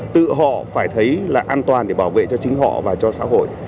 tự họ phải thấy là an toàn để bảo vệ cho chính họ và cho xã hội